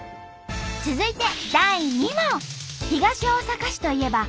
続いて第２問。